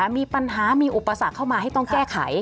มีปัญหามีอุปสรรคเข้ามาให้ต้องแก้ไข